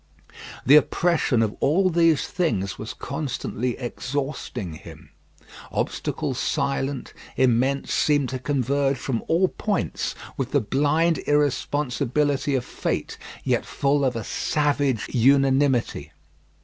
The oppression of all these things was constantly exhausting him. Obstacles silent, immense, seemed to converge from all points, with the blind irresponsibility of fate, yet full of a savage unanimity.